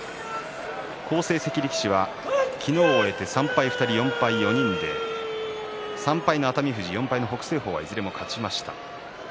好成績力士は昨日を終えて３敗２人４敗４人３敗の熱海富士、４敗の北青鵬がいずれも勝ちました。